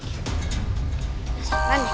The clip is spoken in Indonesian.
kita simpan ya